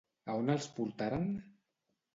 A on els portaren?